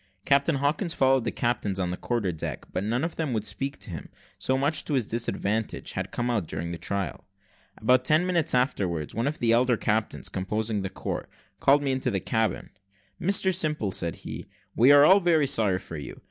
Captain Hawkins followed the captains on the quarter deck, but none of them would speak to him so much to his disadvantage had come out during the trial. About ten minutes afterwards, one of the elder captains composing the court called me into the cabin. "Mr Simple," said he, "we are all very sorry for you.